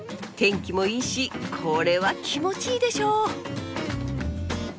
天気もいいしこれは気持ちいいでしょう！